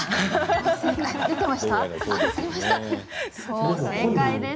正解です。